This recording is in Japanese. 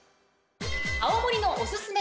青森のおすすめ